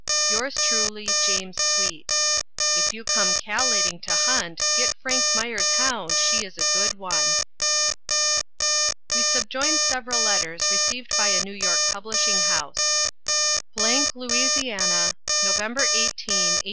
"Yours truly James Sweet. "If you come callating to hunt get Frank Meyer's hound she is a good one." We subjoin several letters received by a New York publishing house: " La, Nov 18, 188